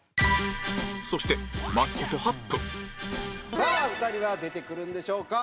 そしてさあ２人は出てくるんでしょうか？